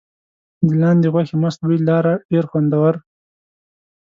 د لاندي غوښې مست بوی لاره ډېر خوندور.